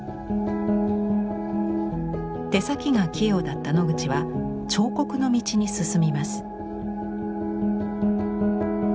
手先が器用だったノグチは彫刻の道に進みます。